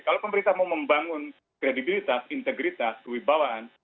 kalau pemerintah mau membangun kredibilitas integritas kewibawaan